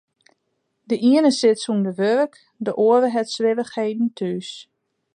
De iene sit sûnder wurk, de oare hat swierrichheden thús.